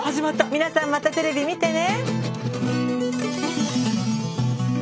皆さんまたテレビ見てね。